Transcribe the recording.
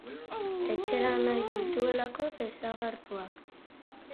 Etxera nahi dituelako desagertuak.